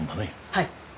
はい。